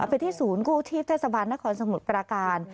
ไปที่ศูนย์กู้ชีพท่านสะบานนครสมุดประการ